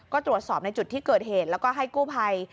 ก็ตรวจสอบในจุดที่เกิดเหตุแล้วก็ให้กู้ภัย